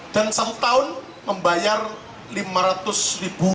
dan satu tahun membayar lima ratus ribu rupiah